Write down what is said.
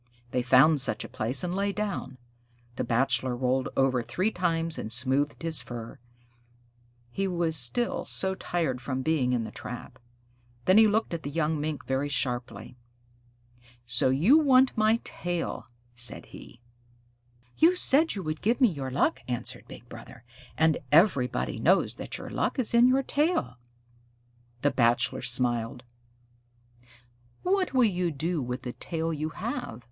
They found such a place and lay down. The Bachelor rolled over three times and smoothed his fur; he was still so tired from being in the trap. Then he looked at the young Mink very sharply. "So you want my tail?" said he. "You said you would give me your luck," answered Big Brother, "and everybody knows that your luck is in your tail." The Bachelor smiled. "What will you do with the tail you have?"